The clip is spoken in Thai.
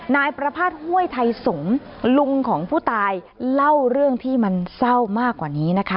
นายประภาษณ์ห้วยไทยสมลุงของผู้ตายเล่าเรื่องที่มันเศร้ามากกว่านี้นะคะ